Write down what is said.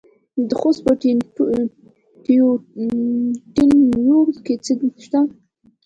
د خوست په تڼیو کې څه شی شته؟